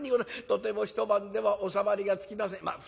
とても１晩では収まりがつきません。